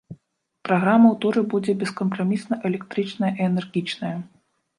Праграма ў туры будзе бескампрамісна электрычная і энергічная.